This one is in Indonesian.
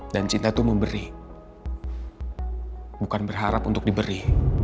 dan cinta itu memberi bukan berharap untuk diberi